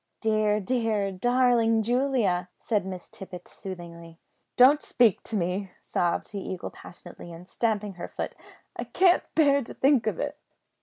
"Dear, dear, darling Julia!" said Miss Tippet soothingly. "Don't speak to me!" sobbed the Eagle passionately, and stamping her foot; "I can't bear to think of it."